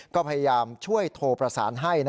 ก็พยายามช่วยโทรประสานให้